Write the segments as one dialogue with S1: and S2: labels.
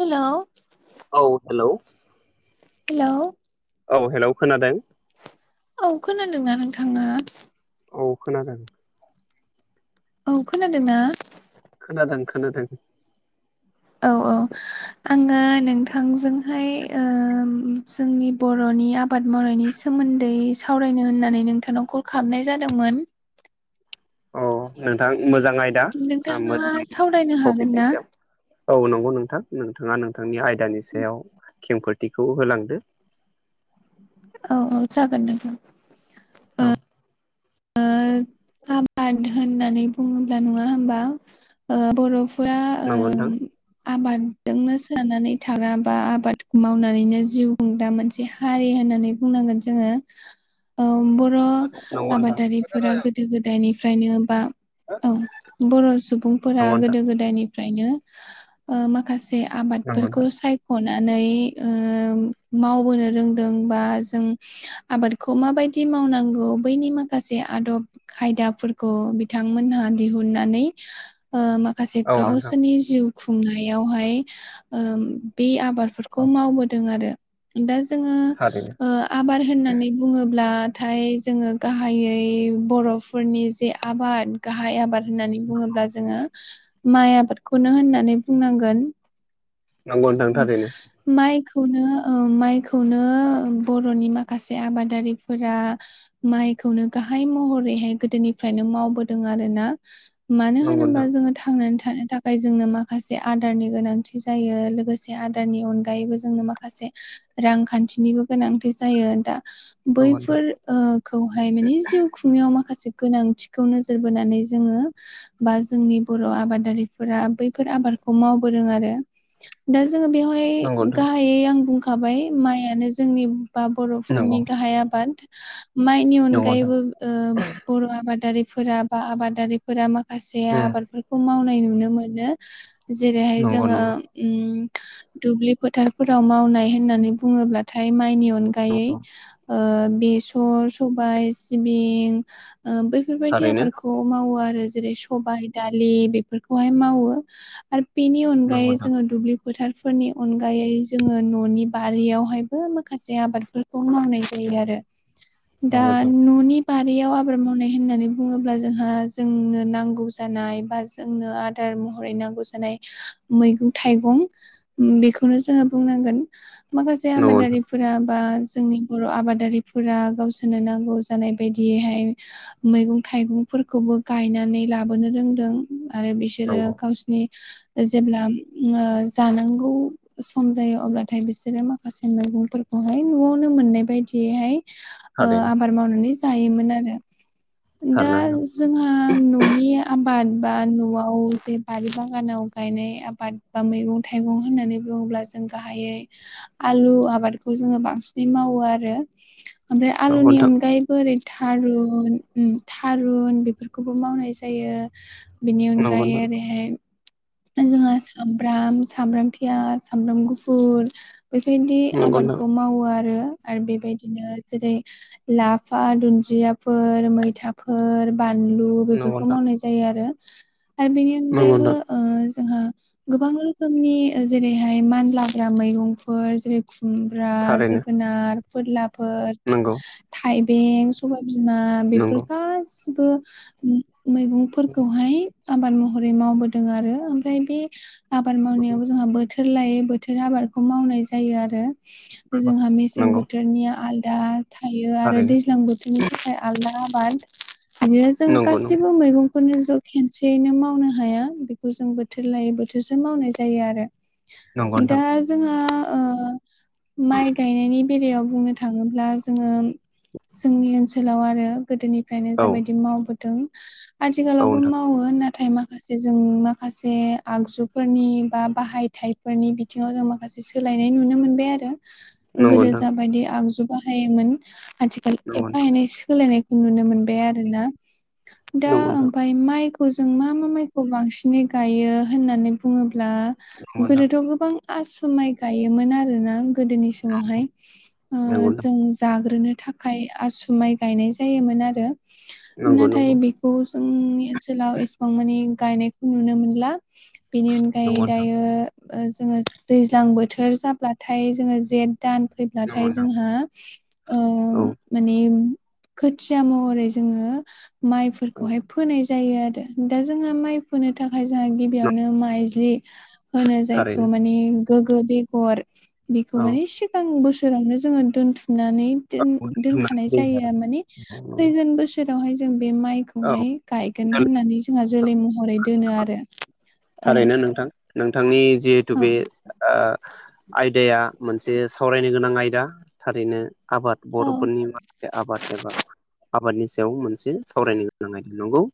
S1: hello
S2: औ hello
S1: hello
S2: औ hello खोनादों
S1: औ खोनादोंना नोंथाङा
S2: औ खोनादों
S1: औ खोनादों ना
S2: खोनादों खोनादों
S1: औ औ आङो नोंथांजोंहाय ओम जोंनि बर'नि आबाद मावनायनि सोमोन्दै सावरायनो होननानै नोंथांनाव कल खालामनाय जादोंमोन
S2: औ नोंथां मोजां आयदा
S1: नोंथाङा
S2: मोजां
S1: सावरायनो हागोन ना
S2: टपिकनि सायाव औ नंगौ नोंथां नोंथाङा नोंथांनि आयदानि सायाव खेंफोथिखौ होलांदो
S1: औ औ जागोन नोंथां
S2: औ
S1: ओ आबाद होननानै बुङोब्ला नङा होनबा बर' फोरा ओ
S2: नंगौ नोंथां
S1: आबादजोंनो सोनानै थाग्रा बा आबादखौ मावनानैनो जिउ खुंग्रा मोनसे हारि होननानै बुंनांगोन जोङो बर बर'
S2: नंगौ नोंथां
S1: आबादारिफोरा गोदो गोदायनिफ्रायनो बा औ बर' सुबुंफोरा
S2: नंगौ नोंथां
S1: गोदो गोदायनिफ्रायनो माखासे
S2: नंगौ
S1: आबादफोरखौ
S2: नोंथां
S1: साय नानै ओ मावबोनो रोंदों बा जों आबादखौ माबायदि मावनांगौ बैनि माखासे आदब खायदा बिथांमोनहा दिहुननानै माखासे
S2: औ नोंथां
S1: गावसोरनि जिउ खुंनायावहाय बे आबादफोरखौ
S2: औ
S1: मावबोदों आरो दा जोङो
S2: थारैनो
S1: आबाद होननानै बुङोब्लाथाय जोङो गाहायै बर'फोरनि जे आबाद गाहाय आबाद होननानै बुङोब्ला जोङो माइ आबादखौनो होननानै बुंनांगोन
S2: नंगौ नोंथां थारैनो
S1: [inaudible] माइखौनो माइखौनो बर'नि माखासे आबादारिफोरा माइखौनो गाहाय महरैहाय गोदोनिफ्रायनो मावबोदों आरो ना मानो
S2: नंगौ
S1: होनोबा
S2: नोंथां
S1: जोङो थांनानै थानो थाखाय जोंनो माखासे आदारनि गोनांथि जायो लोगोसे माखासे आदारनि अनगायैबो जोंनो माखासे रांखान्थिनिबो गोनांथि जायो दा
S2: नंगौ नोंथां
S1: बैफोर खौहाय माने जिउ खुंनायाव माखासे गोनांथिखौ नोजोर बोनानै जोङो बा जोंनि बर' आबादारिफोरा बैफोर आबादखौ मावबोदों आरो दा जोङो बेवहाय
S2: नंगौ नोंथां
S1: गाहायै आं बुंखाबाय माइयानो जोंनि बा
S2: नंगौ
S1: बर'फोरनि गाहाय आबाद माइनि
S2: नंगौ नोंथां
S1: अनगायैबो बर' आबादारिफोरा बा आबादारिफोरा माखासे माखासे
S2: उम
S1: आबादफोरखौ मावनाय नुनो मोनो जेरैहाय
S2: नंगौ
S1: जोङो
S2: नंगौ
S1: दुब्लि फोथारफोराव मावनाय होननानै बुङोब्ला थाय माइनि अनगायै
S2: नंगौ
S1: बेसर सबाय सिबिं बैफोरबायदि
S2: थारैनो
S1: आबादखौ मावो आरो जेरै सबाय दालि बेफोरखौहाय मावो आरो बेनि
S2: नंगौ
S1: अनगायै
S2: नोंथां
S1: जोङो दुब्लि फोथारफोरनि अनगायै जोङो न'नि बारियावहायबो माखासे आबादफोर मावनाय जायो आरो दा
S2: नंगौ नोंथां
S1: न'नि बारियाव आबाद मावनाय होननानै बुङोब्ला जोंहा जोंनो नांगौ जानाय बा जोंनो आदार महरै नांगौ जानाय मैगं थाइगं बेखौनो जोङो बुंनांगोन माखासे
S2: नंगौ
S1: आबारि
S2: नोंथां
S1: फोर बा जोंनि बर' आबादारिफोरा गावसोरनो नांगौ जानाय बायदियैहाय मैगं थाइगंफोरखौबो गायनानै लाबोनो रोंदों आरो बिसोरो
S2: नंगौ
S1: गावसिनि जेब्ला जानांगौ सम जायो अब्लाथाय बिसोरो माखासे मैगंफोरखौहाय न'आवनो मोननाय बायदियैहाय ओ
S2: हा
S1: आबाद मावनानै जायोमोन आरो दा
S2: थारैनो नोंथां
S1: जोंहा न'नि आबाद बा न'आव जे बारि बागानाव गायनाय आबाद बा मैगं थाइगं होननानै बुङोब्ला जों गाहायै आलु आबादखौ जोङो बांसिनै मावो आरो ओमफ्राय
S2: नंगौ
S1: आलुनि
S2: नोंथां
S1: अनगायै बोरै थारुन थारुन बेफोरखौबो मावनाय जायो बेनि
S2: नंगौ
S1: अनगायै
S2: नोंथां
S1: ओरैहाय जोंहा सामब्राम सामब्राम पियास सामब्राम गुफुर बेबायदि
S2: नंगौ
S1: आबादखौ मावो आरो आरो बेबायदिनो जेरै लाफा दुन्दियाफोर मैथाफोर बानलु बेफोरखौ
S2: नोंथां
S1: मावनाय जायो आरो आरो बेनि
S2: नंगौ नोंथां नंगौ
S1: अनगायैबो
S2: नोंथां
S1: ओ जोंहा गोबां रोखोमनि जेरैहाय मानलाग्रा मैगंफोर जेरै खुमब्रा
S2: थारैनो
S1: जोगोनार फोरलाफोर
S2: नंगौ
S1: थाइबें सबायबिमा बेफोर
S2: नंगौ
S1: गासिबो मैगं फोरखौहाय आबाद महरै मावबोदों आरो ओमफ्राय बे आबाद मावनायाव जोंहा बोथोर लायै बोथोर आबादखौ मावनाय जायो आरो जोंहा मेसें
S2: नंगौ
S1: बोथोरनिया आलदा थायो आरो
S2: थारैनो
S1: दैज्लां बो बिनि थाखाय आलादा आबाद बिदिनो जों
S2: नंगौ नंगौ
S1: गाससिबो मैगंफोरनि ज' खेनसेयैनो मावनो हाया बेखौ जों बोथोर लायै बोथोरस मावनाय जायो आरो
S2: नंगौ
S1: दा
S2: नोंथां
S1: जोंहा ओ माइ गायनायनि बेबियाव बुंनो थाङोब्ला जोङो जोंनि ओनसोलाव आरो गोदोनि फ्रायनो
S2: औ
S1: जाबायदि मावबोदों
S2: औ
S1: आथिखालावबो
S2: नोंथां
S1: माव मावो नाथाय माखासे जों माखासे आगजुफोरनि बा बाहायथाइफोरनि बिथिङाव जों माखासे सोलायनाय नुनो मोनबाय आरो
S2: नंगौ
S1: गोदो
S2: नोंथां
S1: जाबायदि आगजु बाहायोमोन आथिखाल
S2: नंगौ
S1: एफा
S2: नोंथां
S1: एनै सोलायनाय खौ नुनो मोनबाय आरोना दा
S2: नंगौ नोंथां
S1: ओमफाय माइखौ जों मा मा माइखौ बांसिनै गायो होननानै बुङोब्ला
S2: नंगौ नोंथां
S1: गोदोथ' गोबां आस माइ गायोमोन आरो ना गोदोनि समावहाय ओ
S2: नंगौ नोंथां
S1: जों जाग्रोनो था थाखाय आसु माइ गायनाय जायोमोन आरो
S2: नंगौ नंगौ
S1: नाथाय बेखौ जोंनि ओनसोलाव एसेबां मानि गायनायखौ नुनो मोनला बेनि
S2: नंगौ
S1: अनगायै
S2: नोंथां
S1: दायो जोङो दैज्लां बोथोर जाब्लाथाय जोङो जेथ दान
S2: नंगौ
S1: फैब्लाथाय
S2: नोंथां
S1: जोंहा ओम
S2: औ
S1: माने खोथिया महरै जोङो
S2: औ
S1: माइफोरखौहाय फोनाय जायो आरो दा जोंहा माइ फोनो थाखाय जोंहा गिबियावनो माइज्लि होनो जायखौ
S2: थारैनो
S1: माने गोग्गो बेगर बेखौ
S2: औ
S1: माने सि गां बोसोरावनो जोङो दोनथुमनानै दोन
S2: औ
S1: दोनखानाय जायो माने फैगोन बो सोरावहाय जों बे माइखौहाय गायगोन होननानै जोंहा जोलै महरै दोनो आरो औ
S2: थारैनो नोंथां नोंथांनि जिहेथु
S1: औ
S2: बे ओ आयदाया मोनसे सावरायनो गोनां आयदा थारैनो आबाद
S1: औ
S2: बर'फोरनि माखासे आबाद एबा आबादनि सायाव मोनसे सावरायनो गोनां नंगौ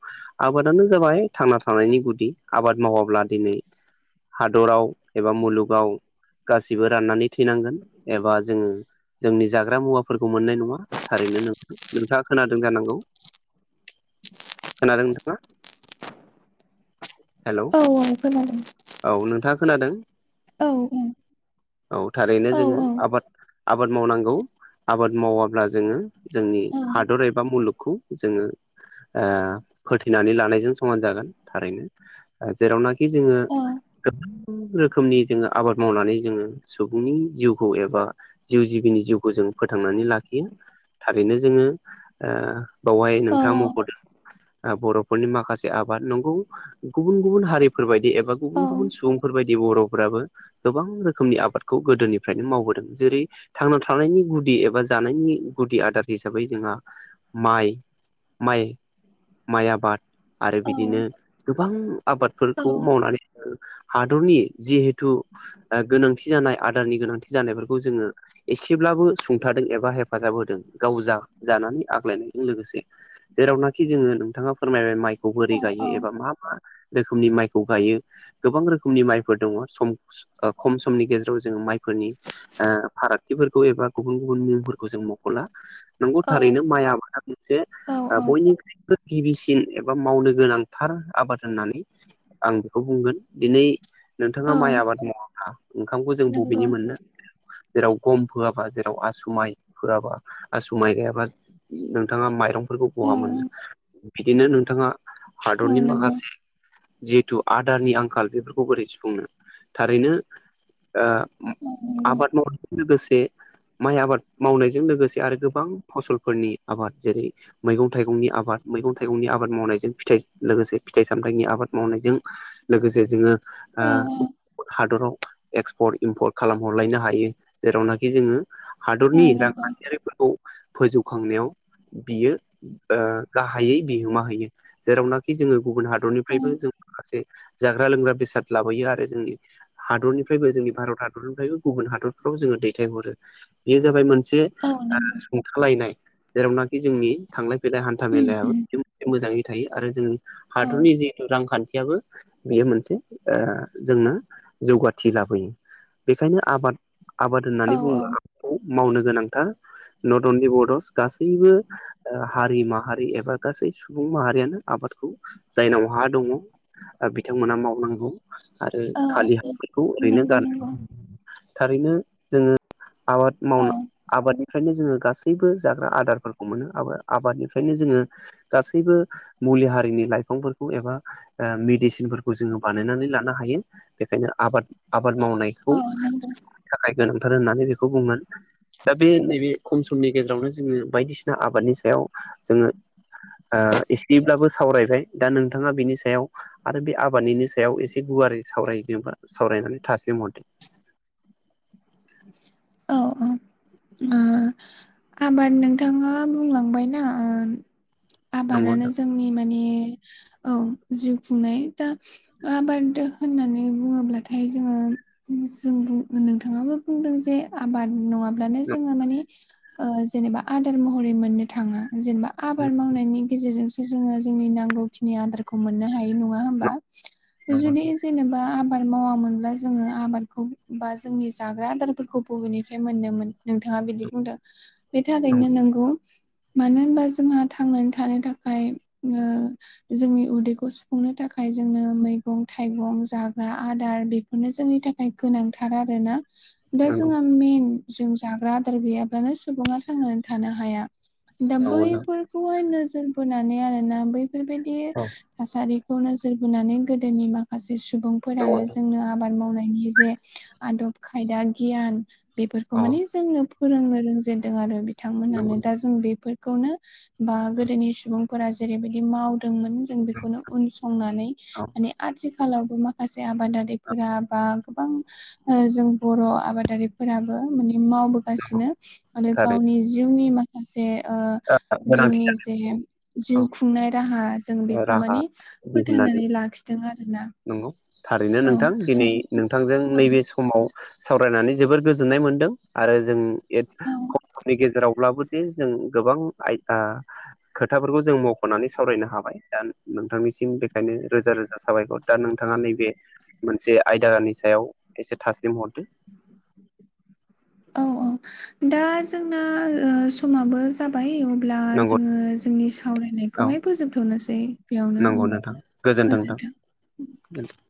S2: आबादानो जाबाय थांना थानायनि गुदि आबाद मावाब्ला दिनै हादराव एबा मुलुगाव गासैबो राननानै थैनांगोन एबा जोङो जोंनि जाग्रा मुवाफोरखौ मोननाय नङा थारैनो नों नोंथाङा खोनादों जानांगौ खोनादों नोंथाङा हेल'
S1: औ खोनादों
S2: औ नोंथाङा खोनादों
S1: औ
S2: औ थारैनो
S1: औ औ
S2: जोङो आबाद आबाद मावनांगौ आबाद मावाब्ला जोङो जोंनि
S1: औ
S2: हादर एबा मुलुग खौ जोङो ओ फोथैनानै लानायजों समान जागोन थारैनो जेरावनाखि जोङो गोबां गोबां [unintelligible] रोखोमनि जोङो आबाद मावनानै जोङो सुबुंनि जिउखौ एबा जिउ जिबिनि जिउखौ जों फोथांनानै लाखियो थारैनो जोङो ओ बावहाय
S1: औ
S2: नोंथाङा मख'दों बर'फोरनि माखासे आबाद नंगौ गुबुन गुबुन हारिफोरबायदि एबा गुबुन गुबुन
S1: औ
S2: सुबुंफोरबायदि बर'फोराबो गोबां रोखोमनि आबादखौ गोदोनिफ्रायनो मावबोदों जेरै थांना थानायनि गुदि एबा जानायनि गुदि आदार हिसाबै जोंहा माइ माइ माइ आबाद आरो
S1: औ
S2: बिदिनो गोबां
S1: औ
S2: आबादफोरखौ मावनानै जों हादरनि जिहेथु गोनांथि जानाय आदारनि गोनांथि जानायफोरखौ जोङो एसेब्लाबो सुंथादों एबा हेफाजाब होदों गाव जा जानानै आग्लायनायजों लोगोसे जेरावनाखि जोङो नोंथाङा फोरमायबाय माइखौ
S1: औ
S2: बोरै गायो एबा मा रोखोमनि माइखौ गायो गोबां रोखोमनि माइफोर दङ सम खम समनि गेजेराव जोङो माइफोरनि फारागथिफोरखौ एबा गुबुन गुबुन मुंफोरखौ जों मख'ला नंगौ
S1: औ
S2: थारैनो माइ आबाद मोनसे
S1: औ औ
S2: बयनिख्रुइबो गिबिसिन एबा मावनो गोनांथार आबाद होननानै आं बेखौ बुंगोन दिनै नोंथाङा माइ
S1: औ
S2: आबाद मावा ब्ला ओंखामखौ जों
S1: नंगौ
S2: बबेनि मोननो जेराव गम फोआबा जेराव आसुमाइ होआबा आसुमाइ गैयाबा नोंथाङा माइरंफोरखौ
S1: औ
S2: बहा मोनो बिदिनो नोंथाङा
S1: औ
S2: हादरनि
S1: नंगौ
S2: माखासे जिहेथु आदारनि आंखाल बेफोरखौ बोरै सुफुंनो थारैनो
S1: औ नंगौ
S2: आबाद जों लोगोसे माइ आबाद मावनायजों लोगोसे आरो गोबां फसलफोरनि आबाद जेरै मैगं थाइगंनि आबाद मैगं थाइगंनि आबाद मावनायजों फिथाइ लोगोसे फिथाइ सामथाइनि आबाद मावनायजों लोगोसे जोङो
S1: औ
S2: हादराव एक्सपर्ट इमपर्ट खालामहरलायनो हायो जेरावनाखि जोङो
S1: औ
S2: हादरनि
S1: नंगौ
S2: रांखान्थियारिफोरखौ फोजौखांनायाव बियो गाहायै बिहोमा होयो जेरावनाखि जोङो गुबुन
S1: औ
S2: हादरनिफ्रायबो जों माखासे जाग्रा लोंग्रा बेसाद लाबोयो आरो जोंनि हादरनिफ्रायबो जोंनि भारत हादरनिफ्रायबो गुबुन हादरफ्राव जोङो दैथायहरो बेयो जाबाय मोनसे
S1: औ
S2: मोनसे
S1: नंगौ
S2: सुंथालायनाय जेरावनाखि जोंनि थांलाय फैलाय हान्था
S1: उम उम
S2: मेलायाबो मोजाङै थायो आरो जों
S1: औ
S2: हादरनि जे रांखान्थियाबो बेयो मोनसे जोंनो जौगाथि लाबोयो बेखायनो आबाद आबाद
S1: औ
S2: होननानै
S1: औ
S2: बुङोब्ला आबाद खौ मावनो गोनांथार नट अनलि बड'स गासैबो हारि माहारि एबा गासै सुबुं माहारियानो आबादखौ जायनाव हा दङ बिथांमोना मावनांगौ आरो
S1: औ
S2: खालि हायाव बेखौ ओरैनो
S1: नंगौ
S2: गायनो
S1: नंगौ
S2: थारैनो जोङो आबाद माव
S1: औ
S2: आबादनि फ्रायनो जोङो गासैबो जाग्रा आदारफोरखौ मोनो आबादनिफ्रायनो जोङो गासैबो मुलि हारिनि लाइफांफोरखौ एबा मेडिसिनफोरखौ जोङो बानायनानै लानो हायो बेखायनो आबाद आबाद मावनाय
S1: अ नंगो
S2: थाखाय गोनांथार होननानै बेखौ बुंगोन दा बे नैबे खम समनि गेजेरावनो जोङो बायदिसिना आबादनि सायाव जोङो एसेब्लाबो सावरायबाय दा नोंथाङा बेनि सायाव आरो बे आबादनिनि सायाव एसे गुवारै सावरायनोबा सावरायनानै थासम हरदो
S1: औ औ आबाद नोंथाङा बुंलांबायना
S2: नंगौ
S1: आबादानो
S2: नोंथां
S1: जोंनि माने औ जिउ खुंनाय दा आबाद होननानै बुङोब्लाथाय जोङो जों नोंथाङाबो बुंदों जे आबाद नङाब्लानो जोङो मानिे जेनेबा आदार महरै मोननो थाङा जेनेबा आबाद मावनायनि गेजेरजों जोङो जोंनि नांगौ खिनि आदखरखौ मोननो हायो नङा होमबा जुदि जेनेबा आबाद मावामोनब्ला जोङो आबादखौ बा जोंनि जाग्रा आदारफोरखौ बबेनिफ्राय मोनोमोन नोंथाङा बिदि बुंदों बे थारैनो नंगौ मानो होनबा जोंहा थांनानै थानो थाखाय जोंनि उदैखौ सुफुंनो थाखाय जोंनो मैगं थाइगं जाग्रा आदार बे बेनो जोंनि थाखाय गोनांथार आरो ना
S2: नंगौ
S1: जोंहा मेन जों जाग्रा आदार गैयाब्लानो सुबुङा थांनानै थानो हाया दा
S2: नंगौ नोंथां
S1: बैफोरखौहाय नोजोर बोनानै आरोना बैफोरबायाददि
S2: औ
S1: थासारिखौ नोजोर बोनानै गोदोनि माखासे
S2: नंगौ
S1: सुबुंफोरानो
S2: नोंथां
S1: जोंनो आबाद मावनायनि जे आदब खायदा गियान बेफोरखौ
S2: औ
S1: माने जोंनो फोरोंनो रोंजेनदों आरो बिथांमोनानो
S2: नंगौ
S1: दा जों बेफोरखौनो बा गोदोनि सुबुंफोरा जेरैबायदि माव जों
S2: नोंथां
S1: बेनो उन संनानै
S2: औ
S1: मान आथिखालावबो माखासे माखासे
S2: औ
S1: आबादारिफोरा बा गोबां जों बर' आबादारिफोराबो माने मावबोगासिनो आरो
S2: थारैनो
S1: गावनि जिउनि माखसे गासे ओ
S2: गोनांथि
S1: जिउनि
S2: जानाय
S1: जे जिउ खुंनाय राहा जों
S2: औ
S1: बेखौ
S2: राहा
S1: माने
S2: दिहुननानै
S1: फोथांनानै लाखिदों आरोना
S2: नंगौ थारैनो
S1: औ
S2: नोंथां दिनै नोंथांजों
S1: औ
S2: नैबे समाव सावरायनानै जोबोर गोजोननाय मोनदों आरो जों
S1: औ
S2: खनि गेजेरावब्लाबो जे जों गोबां आय खोथाफोरखौ जों मख'नानै सावरायनो हाबाय दा नोंथांनिसिम बेखायनो रोजा रोजा साबायखर दा नोंथाङा नैबे मोनसे आयदानि सायाव एसे थासलिम हरदो
S1: औ औ दा जोंना समाबो जाबाय अब्ला
S2: नंगौ
S1: जोङो जोंनि
S2: औ
S1: सावरायनायखौहाय फोजोबथनोसै बेयावनो
S2: गोजोन्थों नोंथां [unintelligible]